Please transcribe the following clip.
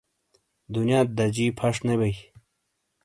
دُنیات دَجی پھَش نے بئیی۔